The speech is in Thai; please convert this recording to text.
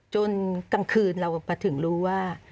กลางคืนเรามาถึงรู้ว่า